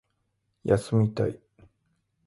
休みたい